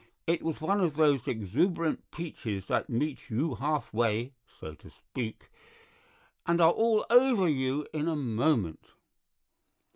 It was one of those exuberant peaches that meet you halfway, so to speak, and are all over you in a moment.